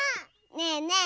ねえねえ